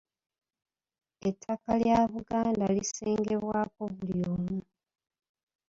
Ettaka lya Buganda lisengebwako buli omu.